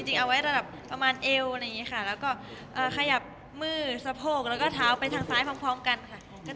จริงเอาไว้ระดับประมาณเอ๋วอะแล้วก็ขยับมือสะโผกแล้วก็เท้าไปทางซ้ายพร้อมกันค่ะ